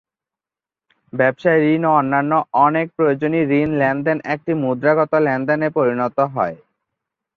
ব্যবসায় ঋণ ও অন্যান্য অনেক প্রয়োজনেই ঋণ লেনদেন একটি মুদ্রাগত লেনদেনে পরিণত হয়।